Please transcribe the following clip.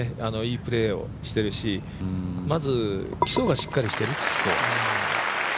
いいプレーをしているし、まず基礎がしっかりしてる。